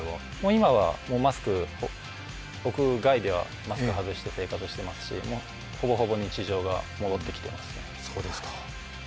今は屋外ではマスクを外して生活していますしほぼほぼ日常が戻ってきていますね。